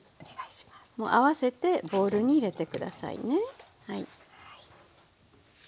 もう合わせてボウルに入れて下さいね。